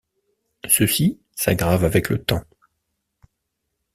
Ceux-ci s'aggravent avec le temps.